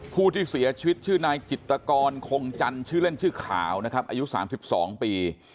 ผู้ที่เสียชีวิตชื่อนายจิตกรคงจันทร์ชื่อเล่นชื่อขาวนะครับอายุ๓๒ปี